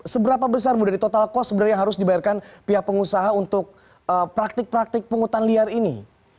seberapa besar bu dari total cost sebenarnya yang harus dibayarkan pihak pengusaha untuk praktik praktik pungutan liar ini